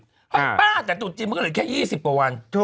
ป้าแต่ตุจจีนมึงแค่๒๐ประวัติ